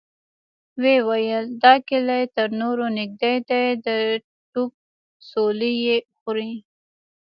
ويې ويل: دا کلي تر نورو نږدې دی، د توپ څولۍ يې خوري.